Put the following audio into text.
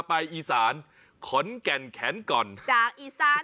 สุดยอดน้ำมันเครื่องจากญี่ปุ่น